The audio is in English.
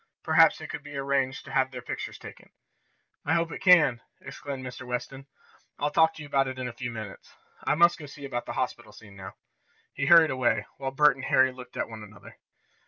Perhaps it could be arranged to have their pictures taken." "I hope it can!" exclaimed Mr. Weston. "I'll talk to you about it in a few minutes. I must go see about this hospital scene now." He hurried away, while Bert and Harry looked at one another.